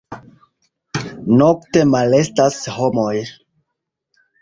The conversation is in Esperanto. Nokte malestas homoj.